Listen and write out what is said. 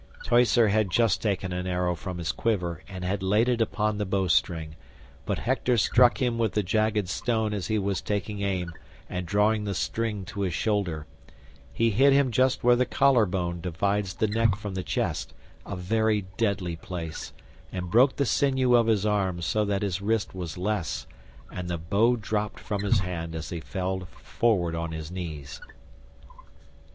Teucer had just taken an arrow from his quiver and had laid it upon the bowstring, but Hector struck him with the jagged stone as he was taking aim and drawing the string to his shoulder; he hit him just where the collar bone divides the neck from the chest, a very deadly place, and broke the sinew of his arm so that his wrist was less, and the bow dropped from his hand as he fell forward on his knees.